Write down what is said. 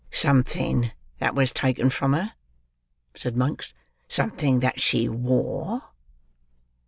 "Something that was taken from her," said Monks. "Something that she wore.